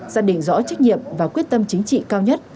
xác định rõ trách nhiệm và quyết tâm chính trị cao nhất